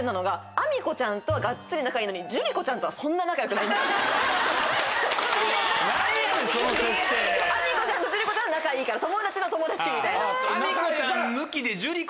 アミ子ちゃんとジュリ子ちゃんは仲いいから友達の友達みたいな。